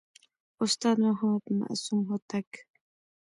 استاد محمد معصوم هوتک